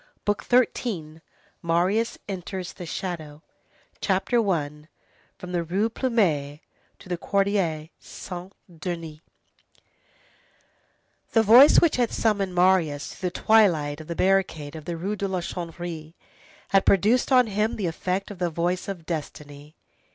BOOK THIRTEENTH—MARIUS ENTERS THE SHADOW CHAPTER I—FROM THE RUE PLUMET TO THE QUARTIER SAINT DENIS The voice which had summoned Marius through the twilight to the barricade of the Rue de la Chanvrerie, had produced on him the effect of the voice of destiny.